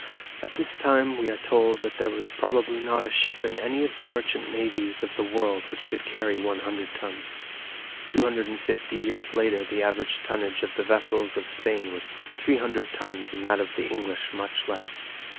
At this time we are told that there was probably not a ship in any of the merchant navies of the world which could carry one hundred tons. 250 years later the average tonnage of the vessels of Spain was 300 tons and that of the English much less.